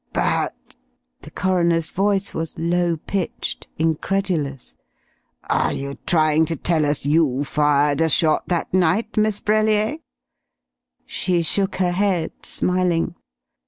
"But " The coroner's voice was low pitched, incredulous, "are you trying to tell us you fired a shot that night, Miss Brellier?" She shook her head, smiling.